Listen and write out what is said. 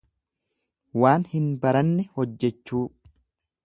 Waan hin bareenne hojjechuu.